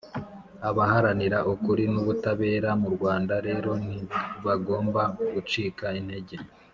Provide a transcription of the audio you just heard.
abaharanira ukuri n'ubutabera mu rwanda rero ntibagomba gucika intege.